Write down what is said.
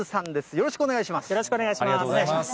よろしくお願いします。